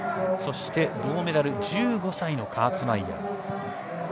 そして銅メダル１５歳のカーツマイヤー。